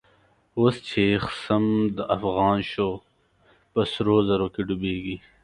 اوس چه خصم دافغان شو، په سرو زرو کی ډوبیږی